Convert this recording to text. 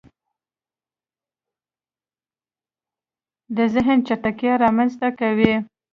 د زهن چټکتیا رامنځته کوي